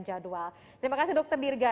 jadwal terima kasih dokter dirga